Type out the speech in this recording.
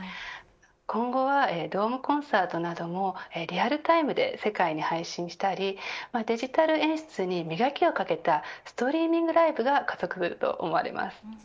今後はドームコンサートなどもリアルタイムで世界に配信したりデジタル演出に磨きをかけたストリーミングライブが加速すると思われます。